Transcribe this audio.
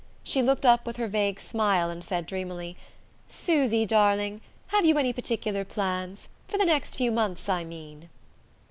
She looked up with her vague smile, and said dreamily: "Susy darling, have you any particular plans for the next few months, I mean?"